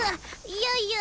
いやいや。